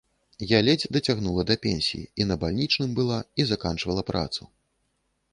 Я ледзь дацягнула да пенсіі, і на бальнічным была і заканчвала працу.